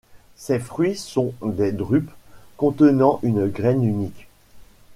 Ses fruits sont des drupes contenant une graine unique.